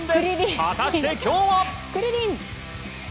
果たして、今日は。